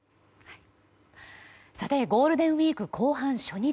さてゴールデンウィーク後半初日。